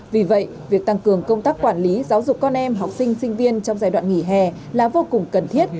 vì vậy việc tăng cường công tác quản lý giáo dục con em học sinh sinh viên trong giai đoạn nghỉ hè là vô cùng cần thiết